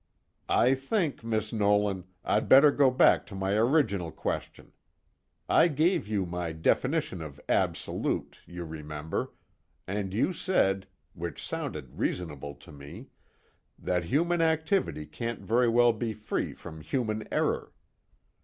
_ "I think, Miss Nolan, I'd better go back to my original question. I gave you my definition of 'absolute,' you remember, and you said which sounded reasonable to me that human activity can't very well be free from human error.